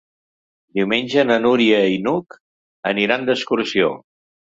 Diumenge na Núria i n'Hug aniran d'excursió.